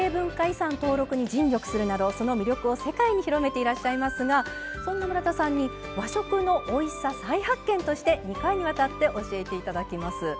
遺産登録に尽力するなどその魅力を世界に広めていらっしゃいますがそんな村田さんに「和食のおいしさ再発見！」として２回にわたって教えて頂きます。